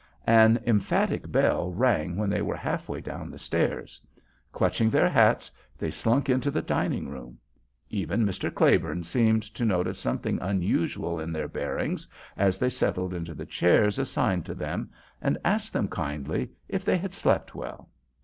An emphatic bell rang when they were half way down the stairs. Clutching their hats, they slunk into the dining room. Even Mr. Claiborne seemed to notice something unusual in their bearing as they settled into the chairs assigned to them, and asked them kindly if they had slept well.